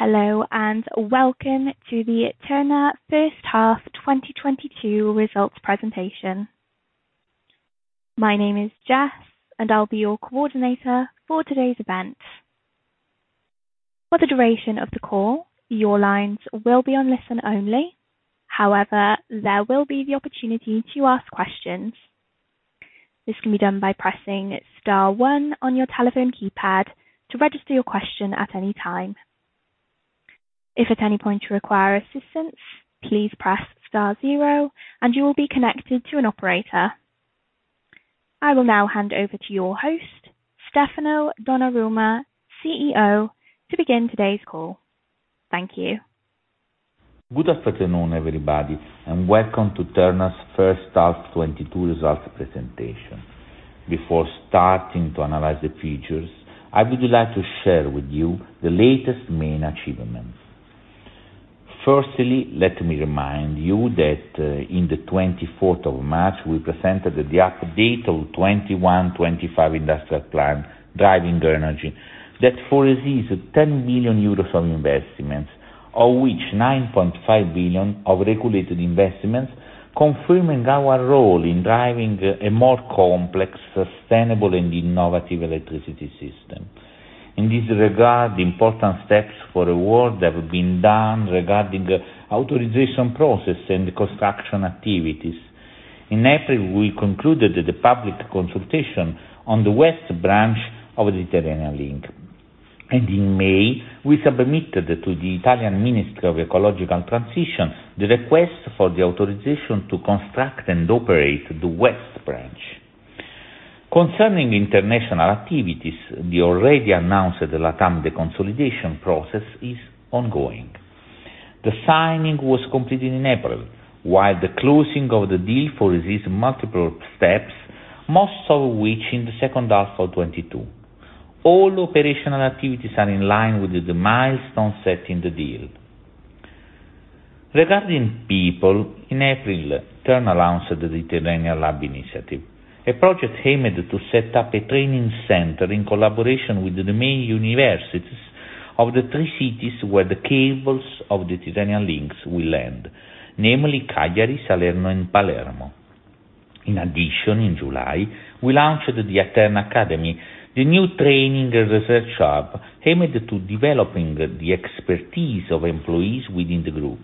Hello and welcome to the Terna first half 2022 results presentation. My name is Jess, and I'll be your coordinator for today's event. For the duration of the call, your lines will be on listen only. However, there will be the opportunity to ask questions. This can be done by pressing star one on your telephone keypad to register your question at any time. If at any point you require assistance, please press star zero and you will be connected to an operator. I will now hand over to your host, Stefano Donnarumma, CEO, to begin today's call. Thank you. Good afternoon, everybody, and welcome to Terna's first half 2022 results presentation. Before starting to analyze the figures, I would like to share with you the latest main achievements. Firstly, let me remind you that in the 24th of March, we presented the update of 2021-2025 industrial plan Driving Energy. That foresees 10 million euros of investments, of which 9.5 billion of regulated investments, confirming our role in driving a more complex, sustainable, and innovative electricity system. In this regard, important steps forward have been done regarding authorization process and construction activities. In April, we concluded the public consultation on the west branch of the Tyrrhenian Link. In May, we submitted to the Italian Minister of Ecological Transition the request for the authorization to construct and operate the west branch. Concerning international activities, the already announced LATAM, the consolidation process is ongoing. The signing was completed in April, while the closing of the deal foresees multiple steps, most of which in the second half of 2022. All operational activities are in line with the milestone set in the deal. Regarding people, in April, Terna announced the Tyrrhenian Lab initiative, a project aimed to set up a training center in collaboration with the main universities of the three cities where the cables of the Tyrrhenian links will land, namely Cagliari, Salerno, and Palermo. In addition, in July, we launched the Terna Academy, the new training and research hub aimed to developing the expertise of employees within the group.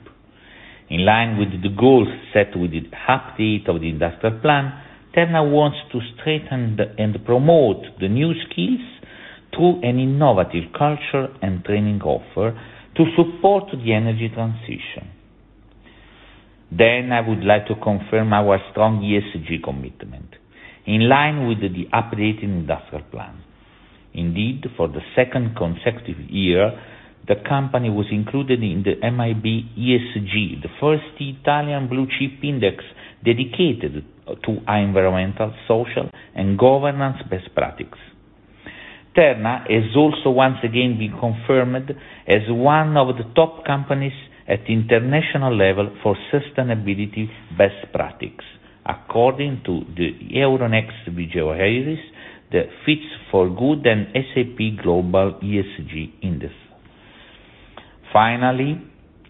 In line with the goals set with the update of the industrial plan, Terna wants to strengthen and promote the new skills through an innovative culture and training offer to support the energy transition. I would like to confirm our strong ESG commitment in line with the updated industrial plan. Indeed, for the second consecutive year, the company was included in the MIB ESG, the first Italian blue-chip index dedicated to environmental, social, and governance best practices. Terna is also once again being confirmed as one of the top companies at international level for sustainability best practices, according to the Euronext Vigeo Eiris, the FTSE4Good, and S&P Global ESG Index. Finally,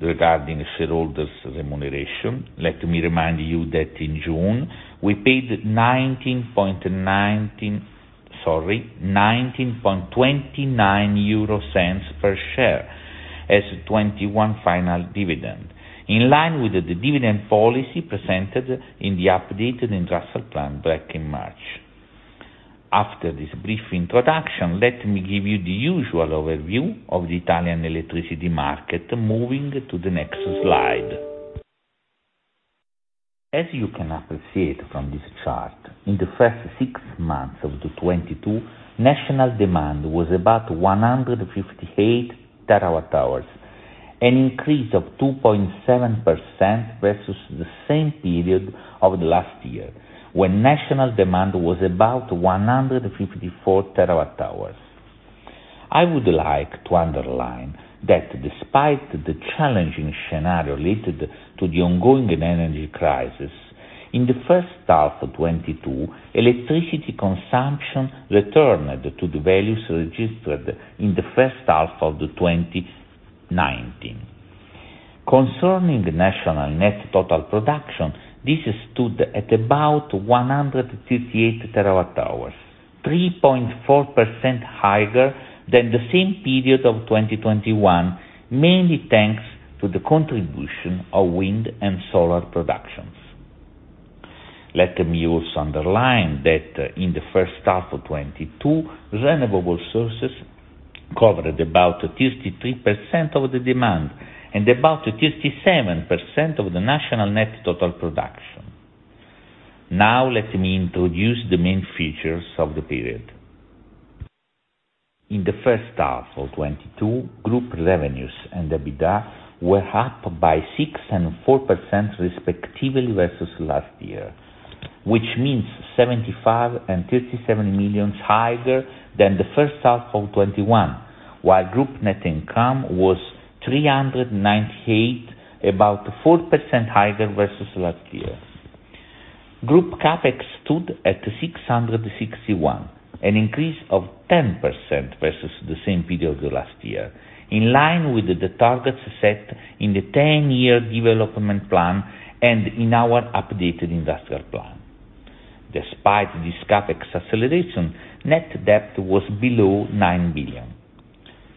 regarding shareholders' remuneration, let me remind you that in June, we paid 0.1929 per share as 2021 final dividend, in line with the dividend policy presented in the updated industrial plan back in March. After this brief introduction, let me give you the usual overview of the Italian electricity market, moving to the next slide. As you can appreciate from this chart, in the first six months of 2022, national demand was about 158 TWh, an increase of 2.7% versus the same period of the last year, when national demand was about 154 TWh. I would like to underline that despite the challenging scenario related to the ongoing energy crisis, in the first half of 2022, electricity consumption returned to the values registered in the first half of 2019. Concerning the national net total production, this stood at about 138 TWh, 3.4% higher than the same period of 2021, mainly thanks to the contribution of wind and solar productions. Let me also underline that in the first half of 2022, renewable sources covered about 33% of the demand and about 37% of the national net total production. Now let me introduce the main features of the period. In the first half of 2022, group revenues and EBITDA were up by 6% and 4% respectively versus last year, which means 75 million and 37 million higher than the first half of 2021, while group net income was 398 million, about 4% higher versus last year. Group CapEx stood at 661 million, an increase of 10% versus the same period of last year, in line with the targets set in the 10-year development plan and in our updated industrial plan. Despite this CapEx acceleration, net debt was below 9 billion.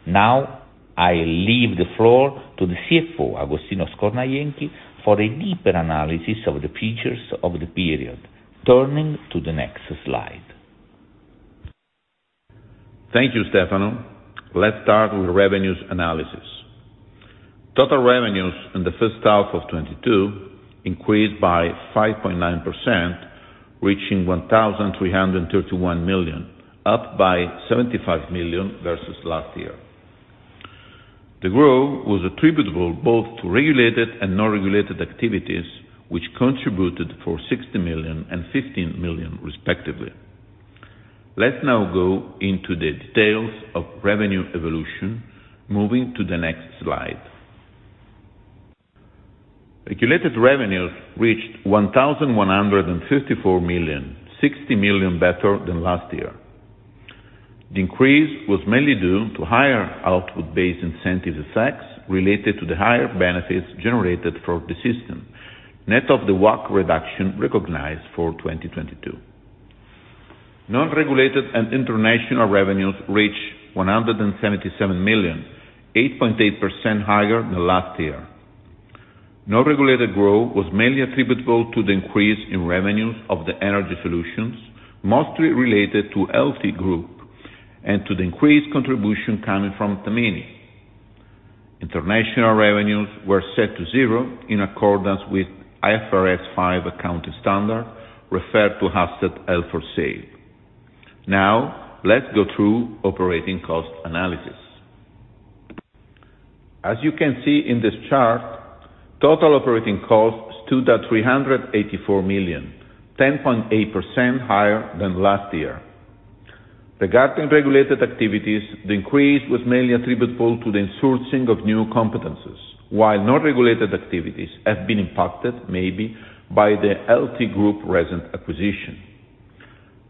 Now, I leave the floor to the CFO, Agostino Scornajenchi, for a deeper analysis of the features of the period, turning to the next slide. Thank you, Stefano. Let's start with revenues analysis. Total revenues in the first half of 2022 increased by 5.9%, reaching 1,331 million, up by 75 million versus last year. The growth was attributable both to regulated and non-regulated activities, which contributed for 60 million and 15 million respectively. Let's now go into the details of revenue evolution, moving to the next slide. Regulated revenues reached 1,154 million, 60 million better than last year. The increase was mainly due to higher output-based incentive effects related to the higher benefits generated for the system, net of the WACC reduction recognized for 2022. Non-regulated and international revenues reached 177 million, 8.8% higher than last year. Non-regulated growth was mainly attributable to the increase in revenues of the energy solutions, mostly related to LT Group, and to the increased contribution coming from Tamini. International revenues were set to zero in accordance with IFRS 5 accounting standard referred to assets held for sale. Now, let's go through operating cost analysis. As you can see in this chart, total operating costs stood at 384 million, 10.8% higher than last year. Regarding regulated activities, the increase was mainly attributable to the insourcing of new competencies, while non-regulated activities have been impacted maybe by the LT Group recent acquisition.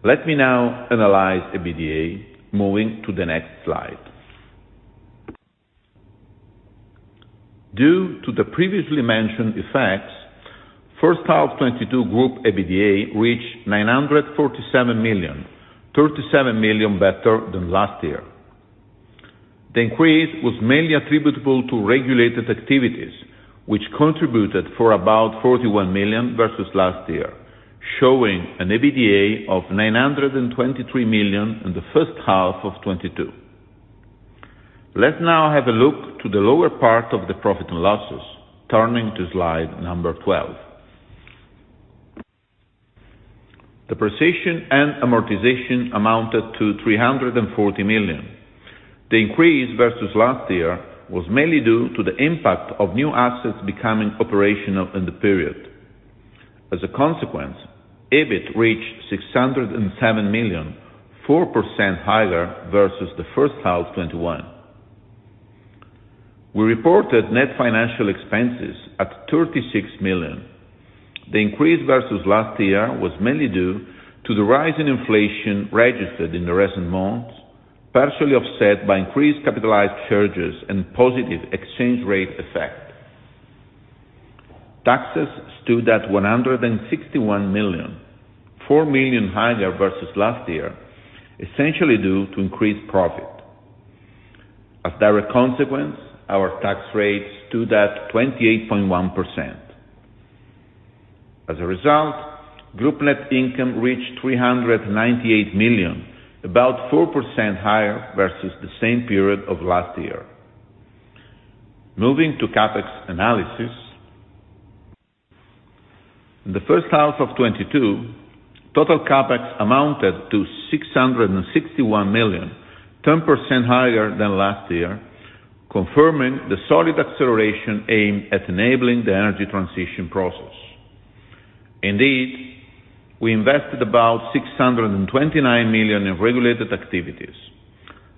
Let me now analyze EBITDA, moving to the next slide. Due to the previously mentioned effects, first half 2022 group EBITDA reached 947 million, 37 million better than last year. The increase was mainly attributable to regulated activities, which contributed 41 million versus last year, showing an EBITDA of 923 million in the first half of 2022. Let's now have a look at the lower part of the profit and loss, turning to slide number 12. Depreciation and amortization amounted to 340 million. The increase versus last year was mainly due to the impact of new assets becoming operational in the period. As a consequence, EBIT reached 607 million, 4% higher versus the first half 2021. We reported net financial expenses at 36 million. The increase versus last year was mainly due to the rise in inflation registered in the recent months, partially offset by increased capitalized charges and positive exchange rate effect. Taxes stood at 161 million, 4 million higher versus last year, essentially due to increased profit. As direct consequence, our tax rate stood at 28.1%. As a result, group net income reached 398 million, about 4% higher versus the same period of last year. Moving to CapEx analysis. In the first half of 2022, total CapEx amounted to 661 million, 10% higher than last year, confirming the solid acceleration aim at enabling the energy transition process. Indeed, we invested about 629 million in regulated activities.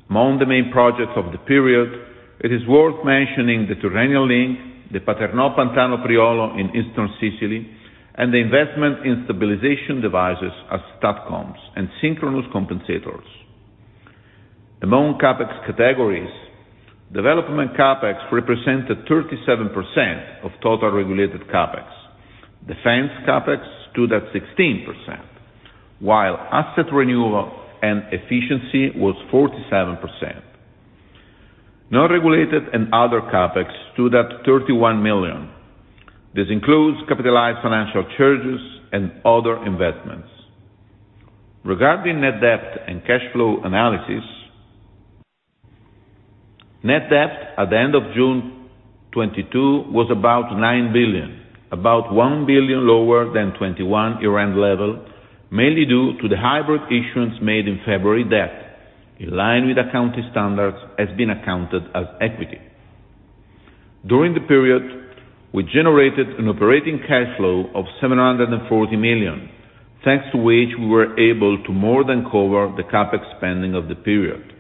Among the main projects of the period, it is worth mentioning the Tyrrhenian Link, the Paternò-Pantano Priolo in Eastern Sicily, and the investment in stabilization devices as STATCOMs and Synchronous Compensators. Among CapEx categories, development CapEx represented 37% of total regulated CapEx. Defense CapEx stood at 16%, while asset renewal and efficiency was 47%. Non-regulated and other CapEx stood at 31 million. This includes capitalized financial charges and other investments. Regarding net debt and cash flow analysis, net debt at the end of June 2022 was about 9 billion, about 1 billion lower than 2021 year-end level, mainly due to the hybrid issuance made in February. Debt, in line with accounting standards, has been accounted as equity. During the period, we generated an operating cash flow of 740 million, thanks to which we were able to more than cover the CapEx spending of the period.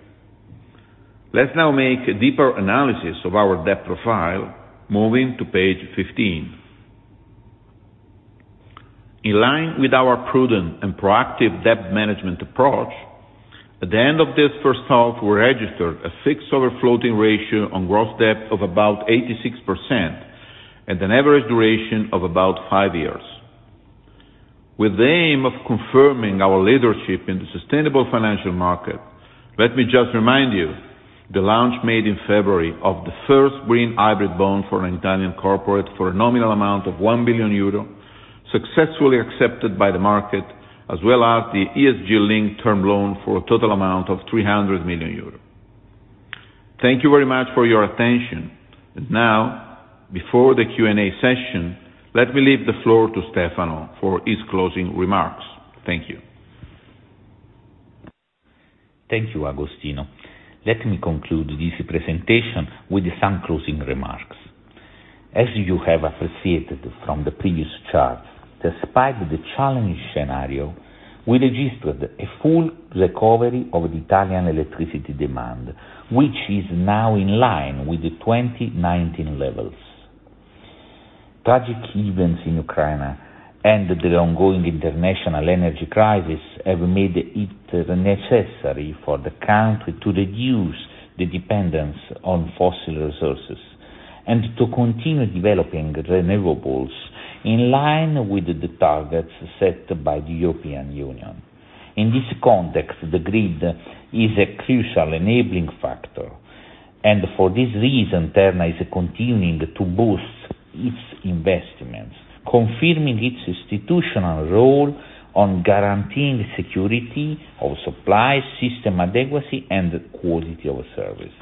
Let's now make a deeper analysis of our debt profile, moving to page 15. In line with our prudent and proactive debt management approach, at the end of this first half, we registered a fixed over floating ratio on gross debt of about 86%, at an average duration of about five years. With the aim of confirming our leadership in the sustainable financial market, let me just remind you, the launch made in February of the first green hybrid bond for an Italian corporate, for a nominal amount of 1 billion euro, successfully accepted by the market, as well as the ESG-linked term loan for a total amount of 300 million euros. Thank you very much for your attention. Now, before the Q&A session, let me leave the floor to Stefano for his closing remarks. Thank you. Thank you, Agostino. Let me conclude this presentation with some closing remarks. As you have appreciated from the previous charts, despite the challenging scenario, we registered a full recovery of the Italian electricity demand, which is now in line with the 2019 levels. Tragic events in Ukraine and the ongoing international energy crisis have made it necessary for the country to reduce the dependence on fossil resources and to continue developing renewables in line with the targets set by the European Union. In this context, the grid is a crucial enabling factor, and for this reason, Terna is continuing to boost its investments, confirming its institutional role in guaranteeing security of supply, system adequacy, and quality of service.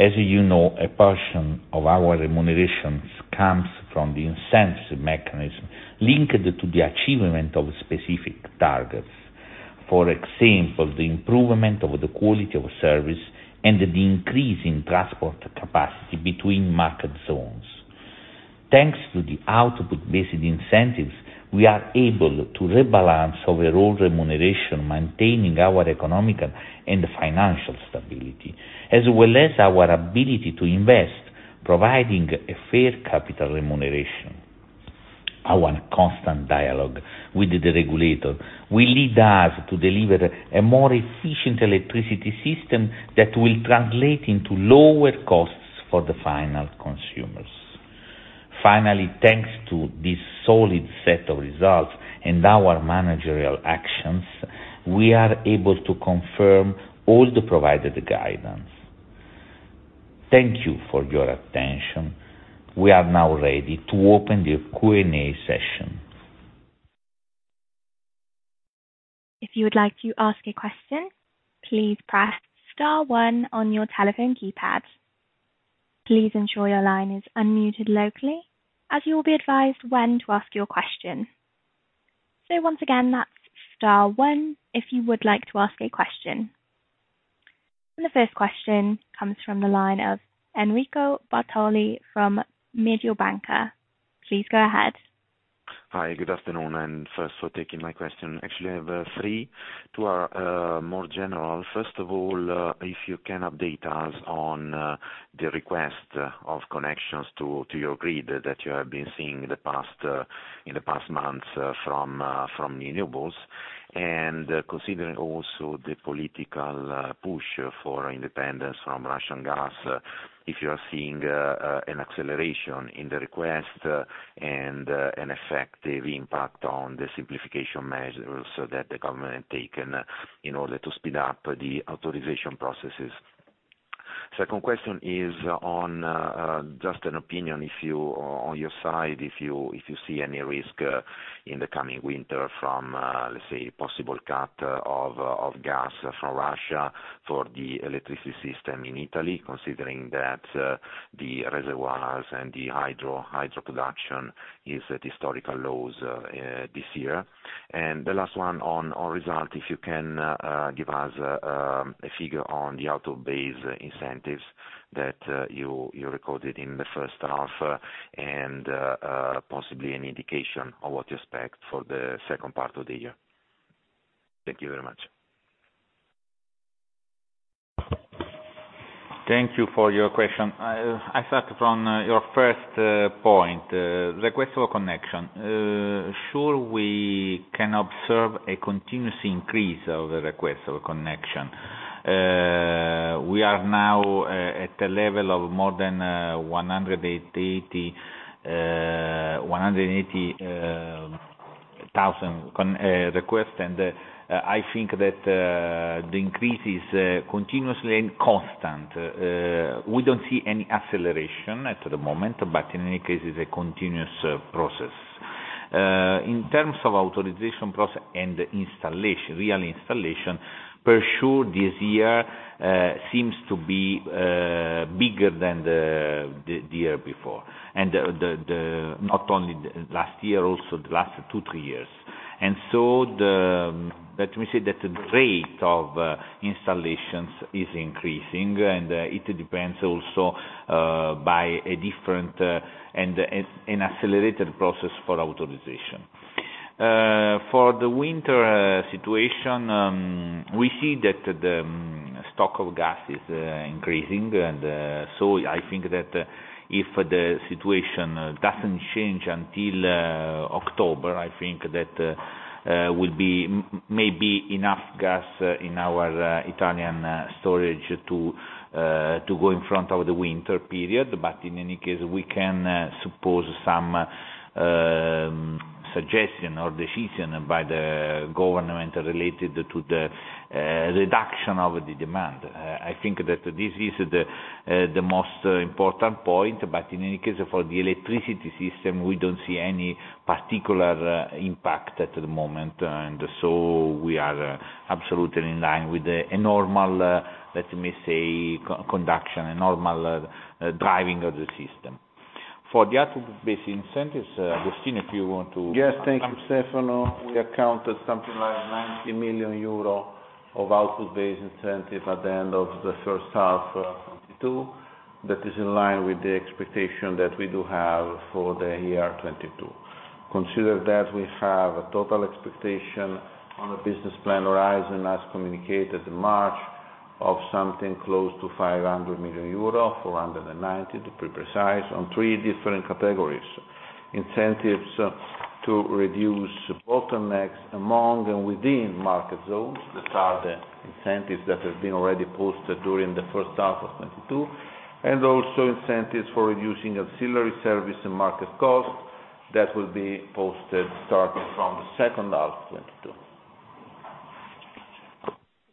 As you know, a portion of our remunerations comes from the incentives mechanism linked to the achievement of specific targets. For example, the improvement of the quality of service and the increase in transport capacity between market zones. Thanks to the output-based incentives, we are able to rebalance overall remuneration, maintaining our economical and financial stability, as well as our ability to invest, providing a fair capital remuneration. Our constant dialogue with the regulator will lead us to deliver a more efficient electricity system that will translate into lower costs for the final consumers. Finally, thanks to this solid set of results and our managerial actions, we are able to confirm all the provided guidance. Thank you for your attention. We are now ready to open the Q&A session. If you would like to ask a question, please press star one on your telephone keypad. Please ensure your line is unmuted locally as you will be advised when to ask your question. Once again, that's star one if you would like to ask a question. The first question comes from the line of Enrico Bartoli from Mediobanca. Please go ahead. Hi, good afternoon, and thanks for taking my question. Actually, I have three. Two are more general. First of all, if you can update us on the request of connections to your grid that you have been seeing in the past months from renewables. Considering also the political push for independence from Russian gas, if you are seeing an acceleration in the request and an effective impact on the simplification measures so that the government taken in order to speed up the authorization processes. Second question is on just an opinion. If you... On your side, if you see any risk in the coming winter from let's say possible cut of gas from Russia for the electricity system in Italy, considering that the reservoirs and the hydro production is at historical lows this year. The last one on our result, if you can give us a figure on the output-based incentives that you recorded in the first half and possibly an indication of what you expect for the second part of the year. Thank you very much. Thank you for your question. I start from your first point, request for connection. Sure, we can observe a continuous increase of the requests for connection. We are now at a level of more than 180,000 connection requests. I think that the increase is continuous and constant. We don't see any acceleration at the moment, but in any case, it's a continuous process. In terms of authorization process and installation, real installation, for sure this year seems to be bigger than the year before. Not only last year, also the last two, three years. Let me say that the rate of installations is increasing, and it depends also by a different and an accelerated process for authorization. For the winter situation, we see that the stock of gas is increasing. I think that if the situation doesn't change until October, it will be maybe enough gas in our Italian storage to go in front of the winter period. In any case, we can suppose some suggestion or decision by the government related to the reduction of the demand. I think that this is the most important point, but in any case, for the electricity system, we don't see any particular impact at the moment. We are absolutely in line with the normal, let me say, conduction and normal, driving of the system. For the output-based incentives, Agostino, if you want to- Yes. Thank you, Stefano. We accounted something like 90 million euro of output-based incentive at the end of the first half, 2022. That is in line with the expectation that we do have for the year 2022. Consider that we have a total expectation on the business plan horizon, as communicated in March, of something close to 500 million euro, 490 million, to be precise, on three different categories. Incentives to reduce bottlenecks among and within market zones that are the incentives that have been already posted during the first half of 2022, and also incentives for reducing auxiliary service and market costs that will be posted starting from the second half of 2022.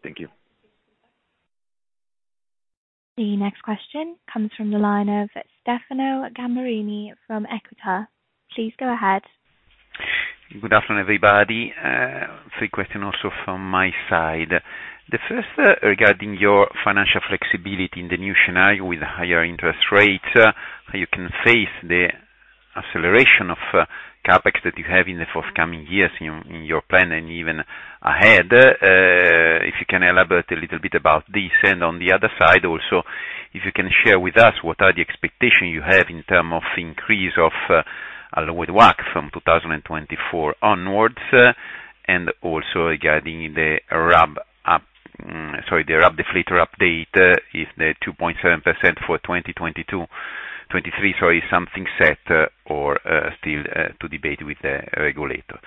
Thank you. The next question comes from the line of Stefano Gamberini from Equita. Please go ahead. Good afternoon, everybody. Three questions also from my side. The first, regarding your financial flexibility in the new scenario with higher interest rates, how you can face the acceleration of CapEx that you have in the forthcoming years in your plan and even ahead. If you can elaborate a little bit about this. On the other side also, if you can share with us what are the expectations you have in terms of increase of allowed WACC from 2024 onwards, and also regarding the RAB deflator update, if the 2.7% for 2022, 2023, something set or still to debate with the regulator.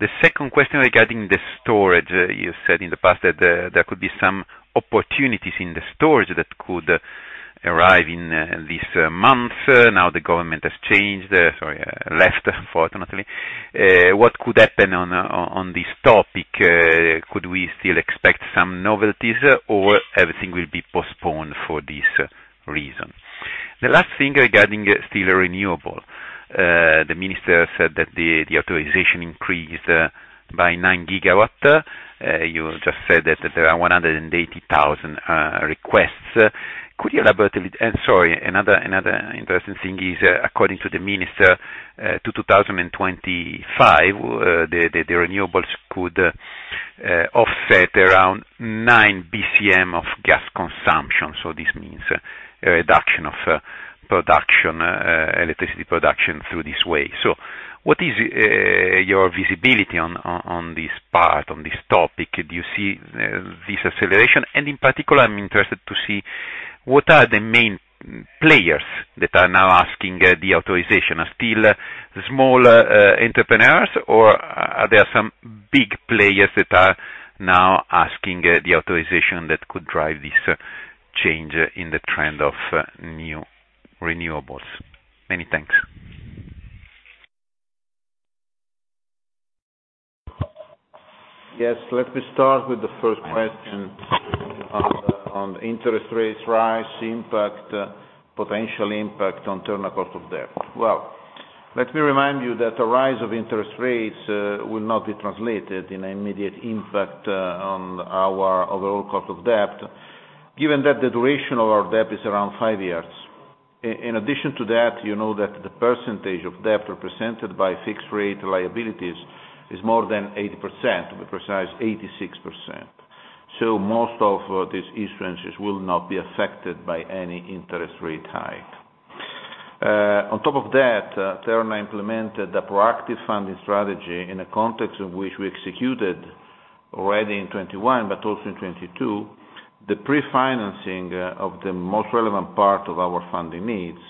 The second question regarding the storage. You said in the past that there could be some opportunities in the storage that could arrive in this month. Now the government has changed, sorry, left, fortunately. What could happen on this topic? Could we still expect some novelties or everything will be postponed for this reason? The last thing regarding still renewable. The minister said that the authorization increased by 9 GW. You just said that there are 180,000 requests. Could you elaborate a bit? Another interesting thing is, according to the minister, to 2025, the renewables could offset around 9 BCM of gas consumption. This means a reduction of production, electricity production through this way. What is your visibility on this part, on this topic? Do you see this acceleration? In particular, I'm interested to see what are the main players that are now asking the authorization. Are still small entrepreneurs, or are there some big players that are now asking the authorization that could drive this change in the trend of new renewables? Many thanks. Yes. Let me start with the first question on interest rates rise impact, potential impact on Terna cost of debt. Well, let me remind you that the rise of interest rates will not be translated in immediate impact on our overall cost of debt, given that the duration of our debt is around five years. In addition to that, you know that the percentage of debt represented by fixed rate liabilities is more than 80%, to be precise, 86%. Most of these instances will not be affected by any interest rate hike. On top of that, Terna implemented a proactive funding strategy in a context in which we executed already in 2021, but also in 2022, the pre-financing of the most relevant part of our funding needs.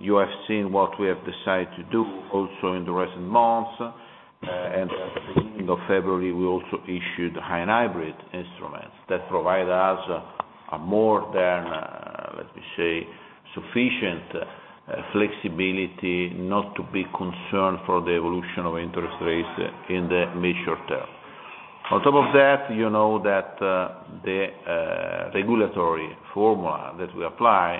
You have seen what we have decided to do also in the recent months, and at the beginning of February, we also issued hybrid instruments that provide us a more than, let me say, sufficient flexibility not to be concerned for the evolution of interest rates in the mid-short term. On top of that, you know that the regulatory formula that we apply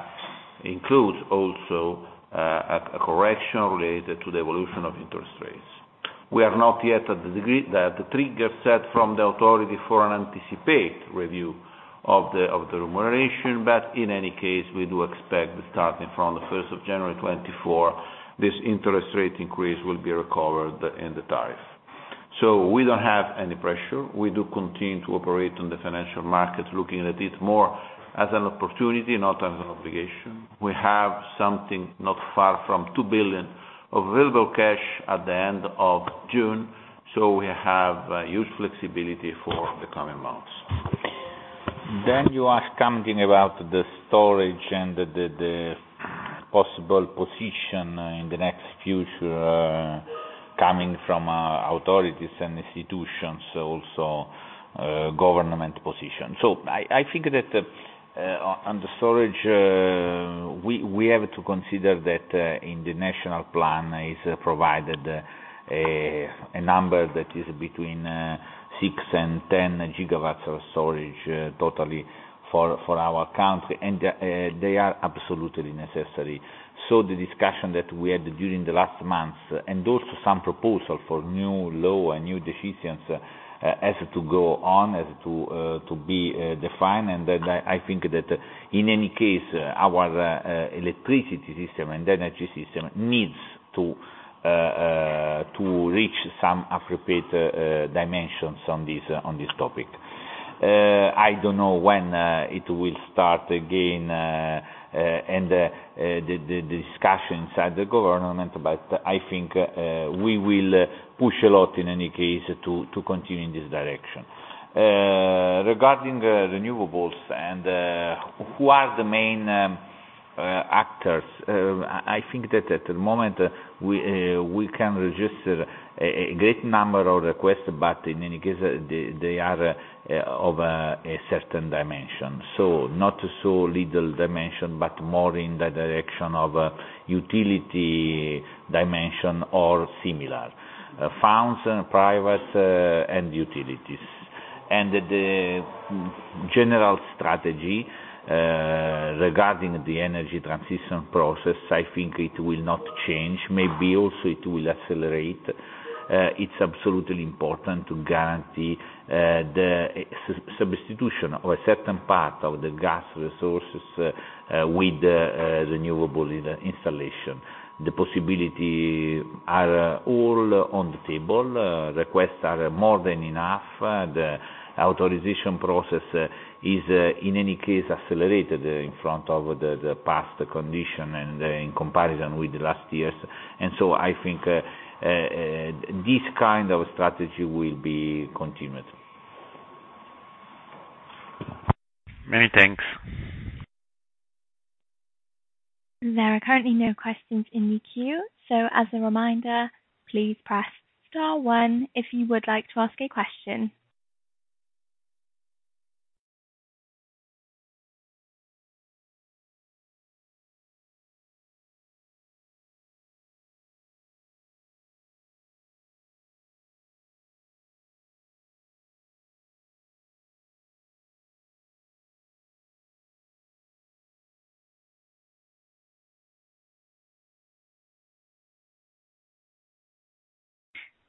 includes also a correction related to the evolution of interest rates. We have not yet at the degree that the trigger set from the authority for an anticipated review of the remuneration, but in any case, we do expect that starting from the first of January 2024, this interest rate increase will be recovered in the tariff. We don't have any pressure. We do continue to operate on the financial market, looking at it more as an opportunity, not as an obligation. We have something not far from 2 billion available cash at the end of June, so we have huge flexibility for the coming months. You ask something about the storage and the possible position in the near future, coming from authorities and institutions, also government position. I think that on the storage we have to consider that in the national plan is provided a number that is between 6 GW and 10 GW of storage totally for our country, and they are absolutely necessary. The discussion that we had during the last months and also some proposal for new law and new decisions has to go on and to be defined. I think that in any case, our electricity system and energy system needs to reach some appropriate dimensions on this topic. I don't know when it will start again and the discussions at the government, but I think we will push a lot in any case to continue in this direction. Regarding renewables and who are the main actors, I think that at the moment we can register a great number of requests, but in any case they are of a certain dimension. Not so little dimension, but more in the direction of utility dimension or similar. Funds and private, and utilities. The general strategy regarding the energy transition process, I think it will not change. Maybe also it will accelerate. It's absolutely important to guarantee the substitution of a certain part of the gas resources with renewable installation. The possibility are all on the table. Requests are more than enough. The authorization process is in any case accelerated in front of the past condition and in comparison with the last years. I think this kind of strategy will be continued. Many thanks. There are currently no questions in the queue. As a reminder, please press star one if you would like to ask a question.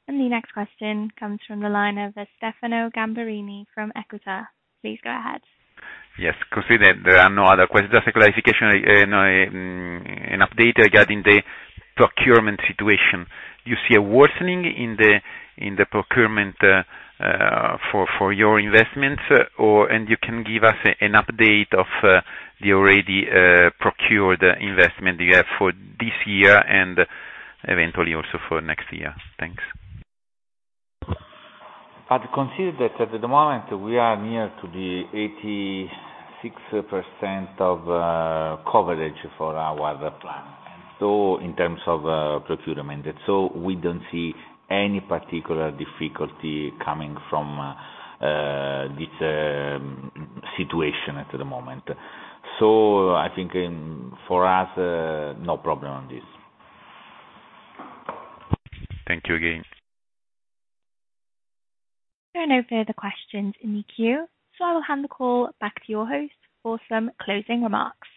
The next question comes from the line of Stefano Gamberini from Equita. Please go ahead. Yes. Considering there are no other questions, just a clarification and an update regarding the procurement situation. You see a worsening in the procurement for your investments or you can give us an update of the already procured investment you have for this year and eventually also for next year. Thanks. I'd consider that at the moment we are near to the 86% of coverage for our plan. In terms of procurement. We don't see any particular difficulty coming from this situation at the moment. I think in for us no problem on this. Thank you again. There are no further questions in the queue, so I will hand the call back to your host for some closing remarks.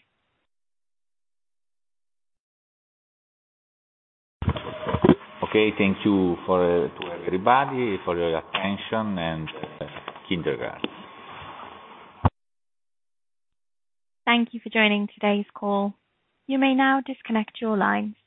Okay. Thank you to everybody for your attention, and kind regards. Thank you for joining today's call. You may now disconnect your lines.